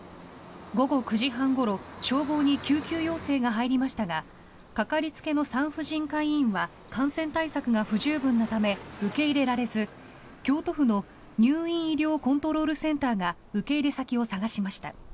午後９時半ごろ消防に救急要請が入りましたがかかりつけの産婦人科医院は感染対策が不十分なため受け入れられず京都府の入院医療コントロールセンターが受け入れ先を探しました。